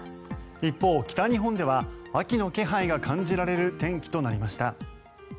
一方、北日本では秋の気配が感じられる天気となりました。